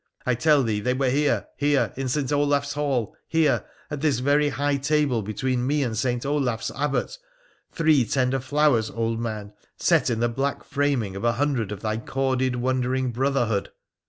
I tell thee they were here — here, in St. Olaf's Hall— here, at this very high table between me and St. Olaf's Abbot — three tender flowers, old man, set in the black framing of a hundred of thy corded wondering brotherhood.